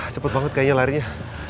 cepet banget kayaknya larinya